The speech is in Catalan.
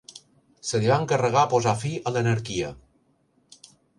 Se li va encarregar posar fi a l'anarquia.